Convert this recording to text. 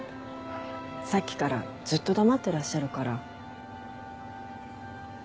さっきからずっと黙ってらっしゃるから。